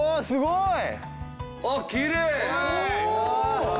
すごい。